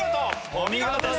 お見事です！